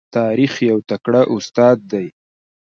تاریخ یو تکړه استاد دی.